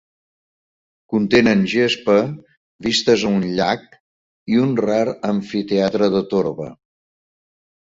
Contenen gespa, vistes a un llac i un rar amfiteatre de torba.